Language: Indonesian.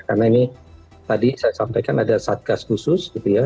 karena ini tadi saya sampaikan ada satgas khusus gitu ya